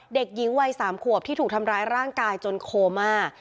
เด็กหญิงวัย๓ขวบที่ถูกทำร้ายร่างกายจนโคม่า